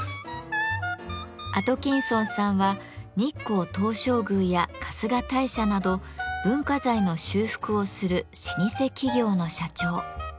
アトキンソンさんは日光東照宮や春日大社など文化財の修復をする老舗企業の社長。